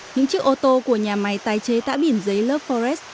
những chiếc ô tô của nhà máy tái chế tả bìm giấy love forest